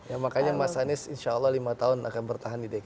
ya makanya mas anies insya allah lima tahun akan bertahan di dki